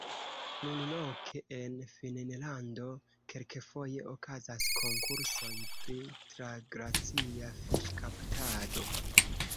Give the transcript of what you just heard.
Plurloke en Finnlando kelkfoje okazas konkursoj pri traglacia fiŝkaptado.